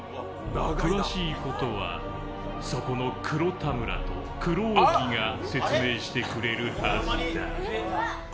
詳しいことは、そこの黒田村と黒荻が説明してくれるはずだ。